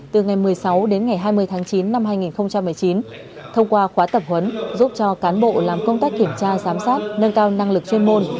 từ ngày một mươi sáu đến ngày hai mươi tháng chín năm hai nghìn một mươi chín thông qua khóa tập huấn giúp cho cán bộ làm công tác kiểm tra giám sát nâng cao năng lực chuyên môn